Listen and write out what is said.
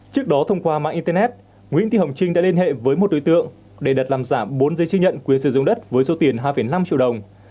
trước đó thông qua mạng internet nguyễn thị hồng trinh đã liên hệ với một đối tượng để đặt làm giảm bốn giấy chứng nhận quyền sử dụng đất với số tiền hai năm triệu đồng